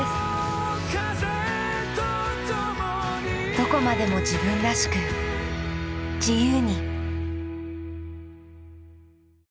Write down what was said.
どこまでも自分らしく自由に。